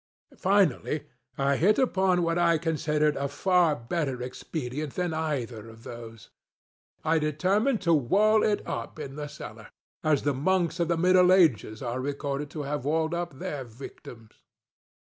Finally I hit upon what I considered a far better expedient than either of these. I determined to wall it up in the cellarŌĆöas the monks of the middle ages are recorded to have walled up their victims.